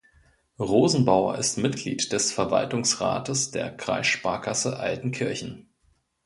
Rosenbauer ist Mitglied des Verwaltungsrates der Kreissparkasse Altenkirchen.